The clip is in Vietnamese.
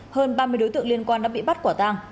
hơn ba mươi đối tượng liên quan đã bị bắt quả tang